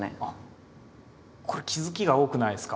これ気付きが多くないですか？